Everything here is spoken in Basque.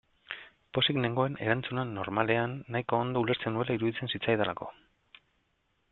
Pozik nengoen erantzuna, normalean, nahiko ondo ulertzen nuela iruditzen zitzaidalako.